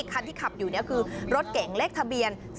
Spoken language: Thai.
คันที่ขับอยู่นี่คือรถเก่งเลขทะเบียน